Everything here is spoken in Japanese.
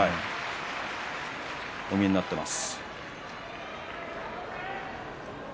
お見えになっています。